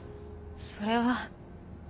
それは。